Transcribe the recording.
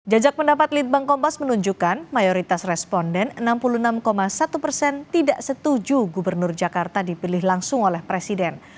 jajak pendapat litbang kompas menunjukkan mayoritas responden enam puluh enam satu persen tidak setuju gubernur jakarta dipilih langsung oleh presiden